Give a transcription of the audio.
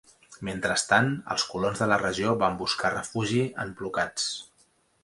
Mentrestant, els colons de la regió van buscar refugi en blocats.